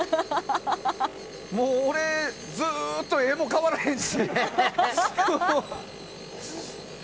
もう俺、ずっと画も変わらへんし。